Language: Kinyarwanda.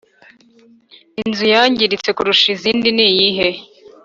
inzu yangiritse kurusha izindi niyihe